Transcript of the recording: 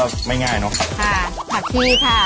ค่ะโอเคค่ะ